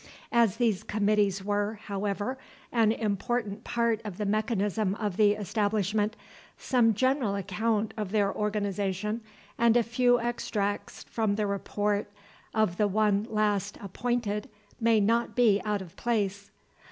As these Committees were, however, an important part of the mechanism of the establishment, some general account of their organization and a few extracts from the Report of the one last appointed may not be out of place.